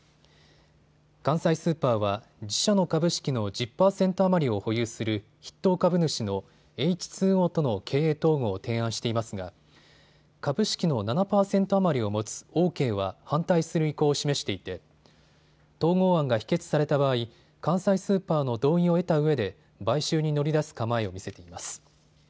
関西スーパーは自社の株式の１０％余りを保有する筆頭株主のエイチ・ツー・オーとの経営統合を提案していますが株式の７％余りを持つオーケーは反対する意向を示していて統合案が否決された場合、関西スーパーの同意を得たうえで買収に乗り出す構えを見せています。